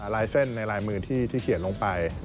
ลายเส้นในลายมือที่เขียนลงไป